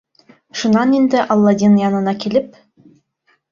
Шунан инде Аладдин янына килеп: